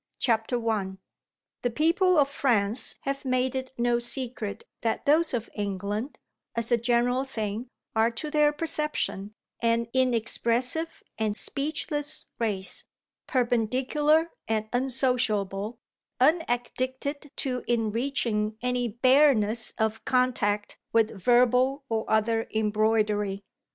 BOOK FIRST I The people of France have made it no secret that those of England, as a general thing, are to their perception an inexpressive and speechless race, perpendicular and unsociable, unaddicted to enriching any bareness of contact with verbal or other embroidery.